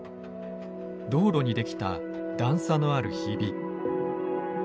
道路に出来た段差のあるひび。